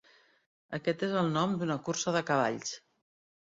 Aquest és el nom d'una cursa de cavalls.